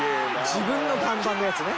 自分の看板のやつね。